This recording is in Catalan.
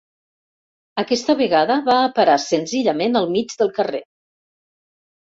Aquesta vegada va a parar senzillament al mig del carrer.